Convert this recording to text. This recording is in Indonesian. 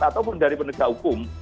ataupun dari penegak hukum